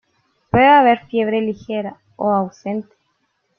Puede haber fiebre ligera o ausente.